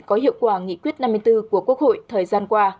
có hiệu quả nghị quyết năm mươi bốn của quốc hội thời gian qua